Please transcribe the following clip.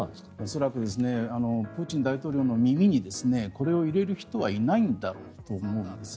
恐らくプーチン大統領の耳にこれを入れる人はいないんだろうと思うんです。